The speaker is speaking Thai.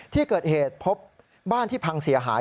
ที่เกิดเหตุพบบ้านที่พังเสียหาย